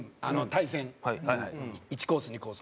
対戦１コース２コース。